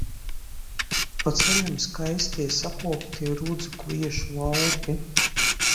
Pa ceļam skaistie, sakoptie rudzu, kviešu lauki.